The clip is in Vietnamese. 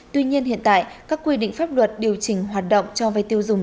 tuy nhiên hiện tại các quy định pháp luật điều chỉnh hoạt động cho vay tiêu dùng